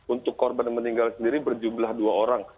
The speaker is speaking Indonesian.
untuk korban yang meninggal sendiri berjublah dua orang